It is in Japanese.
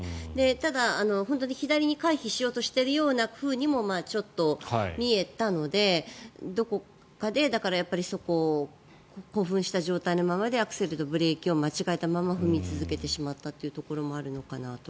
ただ、本当に左に回避しようとしているふうにもちょっと、見えたのでどこかで、興奮した状態のままでアクセルとブレーキを間違えたまま踏み続けてしまったというところもあるのかなとは。